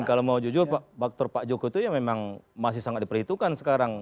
dan kalau mau jujur faktor pak jokowi itu ya memang masih sangat diperhitungkan sekarang